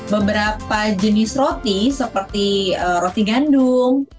beberapa jenis roti seperti roti gandum